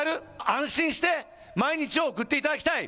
安心して毎日を送っていただきたい。